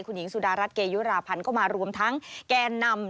คุณหญิงสุดารัฐเกยุราพันธ์ก็มารวมทั้งแก่นำ